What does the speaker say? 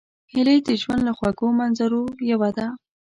هیلۍ د ژوند له خوږو منظرو یوه ده